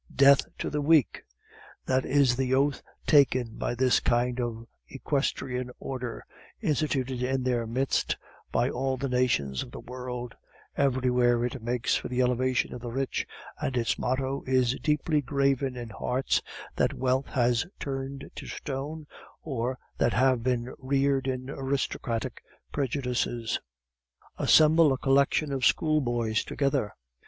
"Death to the weak!" That is the oath taken by this kind of Equestrian order, instituted in their midst by all the nations of the world; everywhere it makes for the elevation of the rich, and its motto is deeply graven in hearts that wealth has turned to stone, or that have been reared in aristocratic prejudices. Assemble a collection of school boys together.